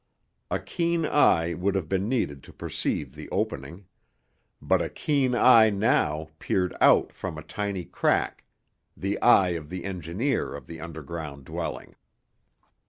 A keen eye would have been needed to perceive the opening. But a keen eye now peered out from a tiny crack, the eye of the engineer of the underground dwelling.